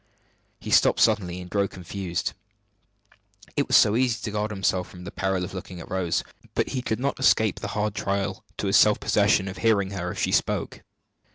He stopped suddenly, and grew confused. It was easy to guard himself from the peril of looking at Rose, but he could not escape the hard trial to his self possession of hearing her, if she spoke.